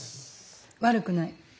悪くない。